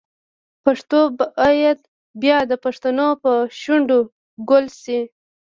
پښتو باید بیا د پښتنو په شونډو ګل شي.